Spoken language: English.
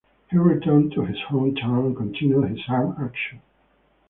He returned to his home town and continued his armed action.